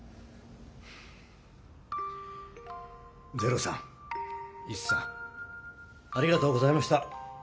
ゼロさんイチさんありがとうございました。